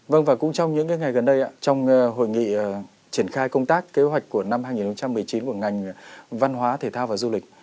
vâng và cũng trong những ngày gần đây trong hội nghị triển khai công tác kế hoạch của năm hai nghìn một mươi chín của ngành văn hóa thể thao và du lịch